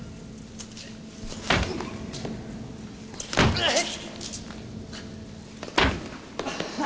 うっ！！